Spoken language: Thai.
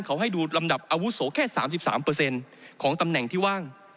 เขาให้ดูลำดับอาวุโสแค่๓๓ของตำแหน่งที่ว่าง